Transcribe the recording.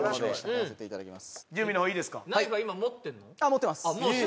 持ってます